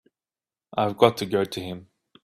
I've got to go to him.